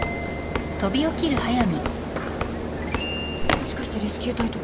・もしかしてレスキュー隊とか？